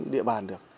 địa bàn được